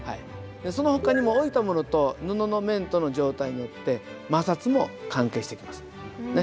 そのほかにも置いたモノと布の面との状態によって摩擦も関係してきます。